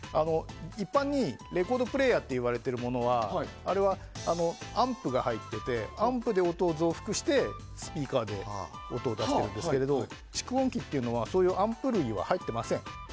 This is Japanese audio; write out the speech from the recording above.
一般にレコードプレーヤーといわれるものはあれは、アンプが入っていてアンプで音を増幅してスピーカーで音を出してるんですけど蓄音機にはアンプ類は入っていません。